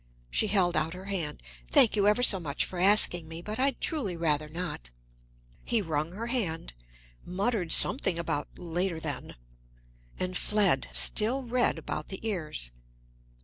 She held out her hand, "Thank you ever so much for asking me, but I'd truly rather not." He wrung her hand, muttered something about "later, then," and fled, still red about the ears.